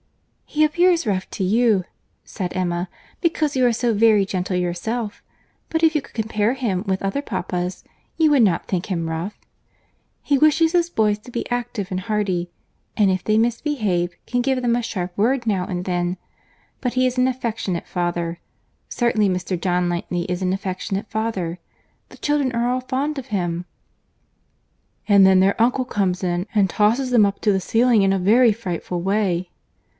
"He appears rough to you," said Emma, "because you are so very gentle yourself; but if you could compare him with other papas, you would not think him rough. He wishes his boys to be active and hardy; and if they misbehave, can give them a sharp word now and then; but he is an affectionate father—certainly Mr. John Knightley is an affectionate father. The children are all fond of him." "And then their uncle comes in, and tosses them up to the ceiling in a very frightful way!"